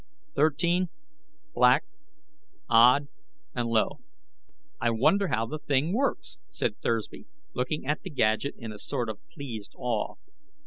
Thirteen, Black, Odd, and Low. "I wonder how the thing works?" said Thursby, looking at the gadget in a sort of pleased awe.